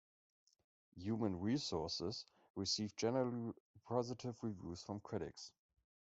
"Human Resources" received generally positive reviews from critics.